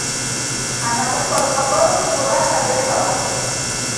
انا په خپلو خبرو کې پوره صادقه وه.